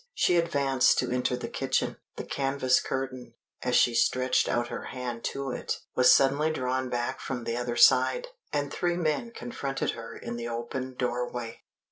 She advanced to enter the kitchen. The canvas curtain, as she stretched out her hand to it, was suddenly drawn back from the other side, and three men confronted her in the open doorway.